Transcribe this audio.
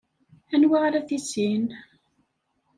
Anwa ara tissin?